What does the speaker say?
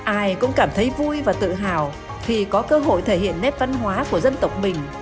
ai cũng cảm thấy vui và tự hào khi có cơ hội thể hiện nét văn hóa của dân tộc mình